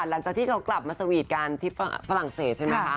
หลังจากที่เขากลับมาสวีทกันที่ฝรั่งเศสใช่ไหมคะ